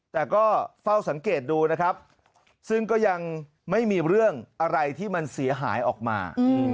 แต่ก็เฝ้าสังเกตดูนะครับซึ่งก็ยังไม่มีเรื่องอะไรที่มันเสียหายออกมา